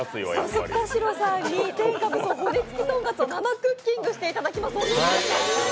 早速、田城さんに天下無双骨付とんかつを生クッキングしていただきます。